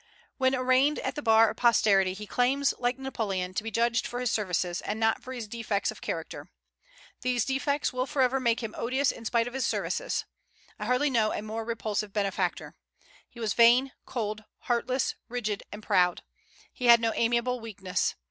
When arraigned at the bar of posterity, he claims, like Napoleon, to be judged for his services, and not for his defects of character. These defects will forever make him odious in spite of his services. I hardly know a more repulsive benefactor. He was vain, cold, heartless, rigid, and proud. He had no amiable weakness.